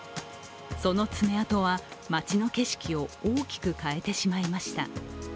その爪痕は町の景色を大きく変えてしまいました。